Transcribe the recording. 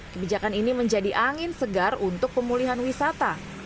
kebijakan ini menjadi angin segar untuk pemulihan wisata